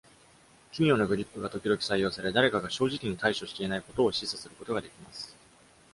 奇妙なグリップが時々採用され、誰かが正直に対処していないことを示唆することができます。